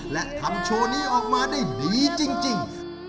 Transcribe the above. และทำโชว์นี้ออกมาได้ดีจริง